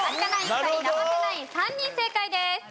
２人生瀬ナイン３人正解です。